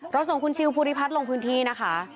ส่งคุณชิวภูริพัฒน์ลงพื้นที่นะคะ